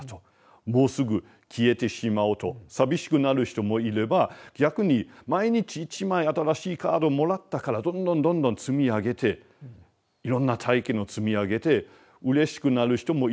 もうすぐ消えてしまうと寂しくなる人もいれば逆に毎日１枚新しいカードをもらったからどんどんどんどん積み上げていろんな体験を積み上げてうれしくなる人もいるかもしれない。